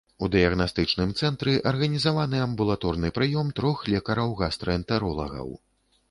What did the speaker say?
У дыягнастычным цэнтры арганізаваны амбулаторны прыём трох лекараў-гастраэнтэролагаў.